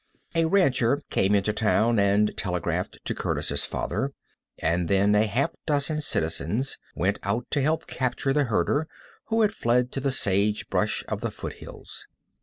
A rancher came into town and telegraphed to Curtis' father, and then a half dozen citizens went out to help capture the herder, who had fled to the sage brush of the foot hills.